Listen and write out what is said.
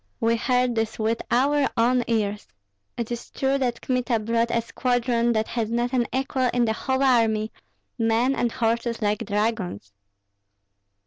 We heard this with our own ears. It is true that Kmita brought a squadron that has not an equal in the whole army, men and horses like dragons!"